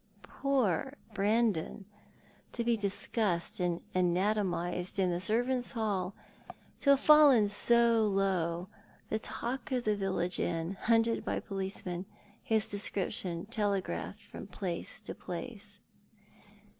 Poor Brandon! To be discussed and anatomised in the servants' hall— to have fallen so low — the talk of the village inn — hunted by policemen, his description telegraphed from place to place.